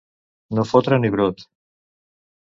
No fotre ni brot.